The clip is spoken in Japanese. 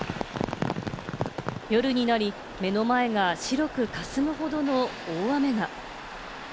夜になり、目の前が白く霞むほどの大雨が。